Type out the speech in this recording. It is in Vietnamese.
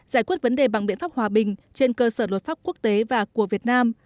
giải quyết vấn đề bằng biện pháp hòa bình trên cơ sở luật pháp quốc tế và của việt nam